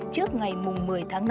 trước ngày một mươi tháng năm